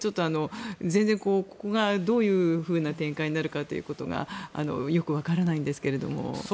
全然ここがどういう展開になるかということがよくわからないんですけども。